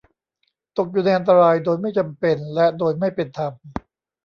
ตกอยู่ในอันตรายโดยไม่จำเป็นและโดยไม่เป็นธรรม